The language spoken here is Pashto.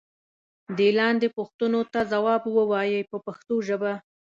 دې لاندې پوښتنو ته ځواب و وایئ په پښتو ژبه.